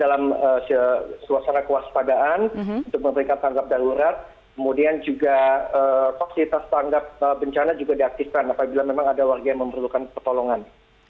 lalu terkait pelayanan